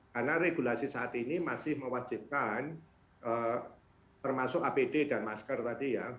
karena regulasi saat ini masih mewajibkan termasuk apd dan masker tadi ya